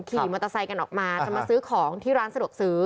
ขี่มอเตอร์ไซค์กันออกมาจะมาซื้อของที่ร้านสะดวกซื้อ